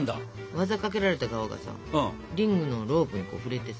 技かけられた側がさリングのロープに触れてさ。